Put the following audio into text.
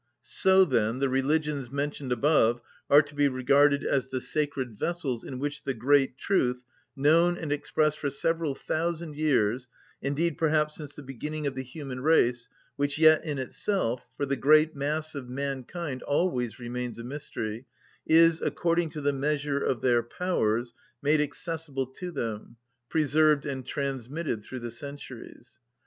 So, then, the religions mentioned above are to be regarded as the sacred vessels in which the great truth, known and expressed for several thousand years, indeed perhaps since the beginning of the human race, which yet in itself, for the great mass of mankind always remains a mystery, is, according to the measure of their powers, made accessible to them, preserved and transmitted through the centuries.